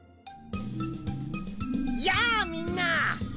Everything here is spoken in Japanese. やあみんな！